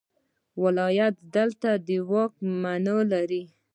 ولایت دلته د واکمنۍ معنی لري.